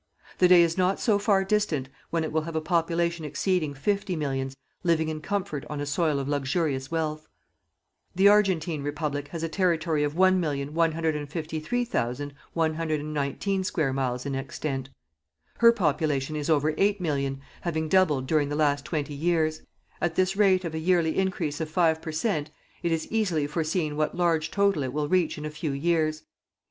The day is not so far distant when it will have a population exceeding fifty millions living in comfort on a soil of luxurious wealth. The Argentine Republic has a territory of 1,153,119 square miles in extent. Her population is over 8,000,000, having doubled during the last twenty years. At this rate of a yearly increase of five per cent., it is easily foreseen what large total it will reach in a few years.